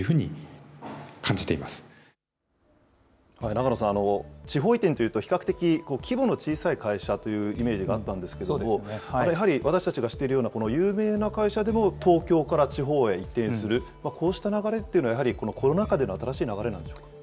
永野さん、地方移転というと比較的規模の小さい会社というイメージがあったんですけれども、やはり私たちが知っているような、有名な会社でも東京から地方へ移転する、こうした流れっていうのは、やはりこのコロナ禍での新しい流れなんでしょうか。